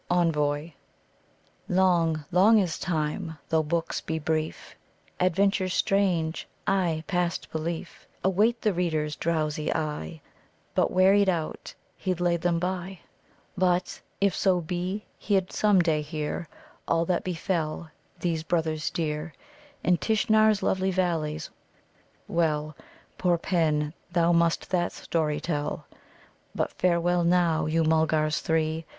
] ENVOY "Long long is Time, though books be brief: Adventures strange ay, past belief Await the Reader's drowsy eye; But, wearied out, he'd lay them by. "But, if so be he'd some day hear All that befell these brothers dear In Tishnar's lovely Valleys well, Poor pen, thou must that story tell! "But farewell, now, you Mulgars three!